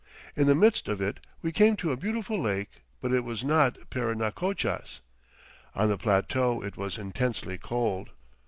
In the midst of it we came to a beautiful lake, but it was not Parinacochas. On the plateau it was intensely cold.